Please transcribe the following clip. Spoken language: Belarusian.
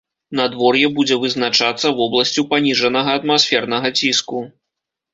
Надвор'е будзе вызначацца вобласцю паніжанага атмасфернага ціску.